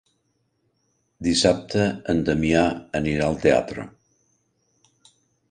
Dissabte en Damià anirà al teatre.